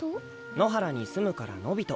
野原に住むからノビト。